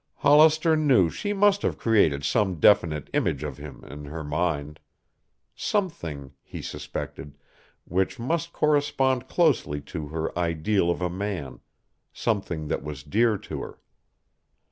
Hollister knew she must have created some definite image of him in her mind; something, he suspected, which must correspond closely to her ideal of a man, something that was dear to her.